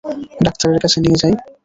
ডাক্তারের কাছে নিয়ে যাই?